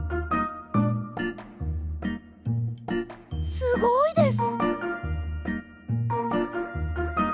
すごいです。